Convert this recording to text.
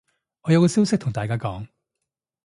我有個消息同大家講